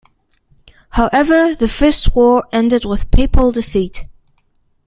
However, the first war ended with Papal defeat.